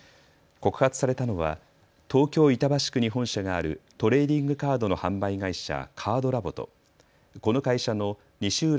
告発されたのは東京板橋区に本社があるトレーディングカードの販売会社、カードラボとこの会社の西浦